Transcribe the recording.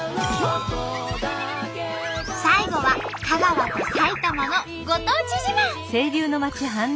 最後は香川と埼玉のご当地自慢！